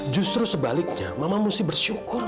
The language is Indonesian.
justru sebaliknya mama mesti bersyukur